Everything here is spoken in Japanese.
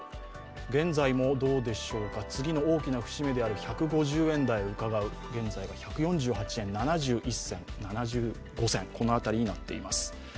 現在もどうでしょうか、次の大きな節目である１５０円台をうかがう、現在１４８円７２銭７５銭、この辺りになっています。